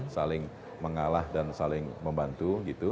saling mengalah dan saling membantu gitu